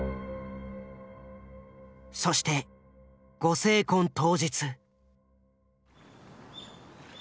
そしてご成婚当日。